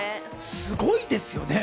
すごいですよね。